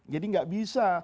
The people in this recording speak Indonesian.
jadi gak bisa